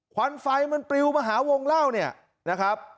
ควันไฟมันปลิวมาหาวงเล่าเนี่ยนะครับ